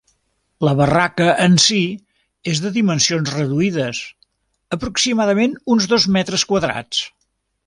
La barraca en si és de dimensions reduïdes, aproximadament uns dos metres quadrats.